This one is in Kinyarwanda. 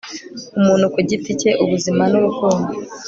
umuntu ku giti cye, ubuzima n'urukundo